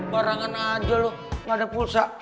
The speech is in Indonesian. barangan aja lu gak ada pulsa